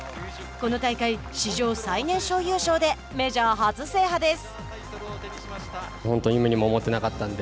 この大会、史上最年少優勝でメジャー初制覇です。